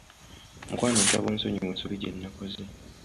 Mukwano nsaba onsonyiwe ensobi gye nakoze.